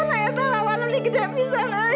ayat allah walau di gede bisa